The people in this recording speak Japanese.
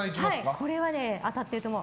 これは当たってると思う。